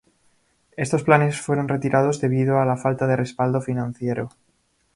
Estos planes fueron retirados debido a la falta de respaldo financiero.